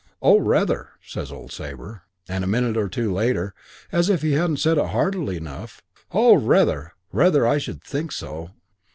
"'Oh, rather!' says old Sabre, and a minute or two later, as if he hadn't said it heartily enough, 'Oh, rather. Rather, I should think so.'"